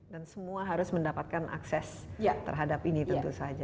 dan semua harus mendapatkan akses terhadap ini tentu saja